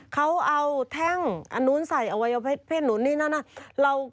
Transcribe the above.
เขาเอาแท่งอันนู้นใส่อวัยวเพศนู้นนี่นั่นนั่น